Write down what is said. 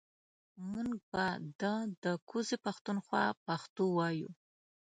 مونږ به ده ده کوزې پښتونخوا پښتو وايو